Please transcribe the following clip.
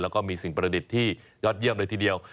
แล้วก็มีสิ่งประดิษฐ์ที่ยอดเยี่ยมเลยทีเดียว